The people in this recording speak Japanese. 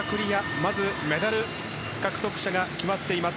まずメダル獲得者が決まっています。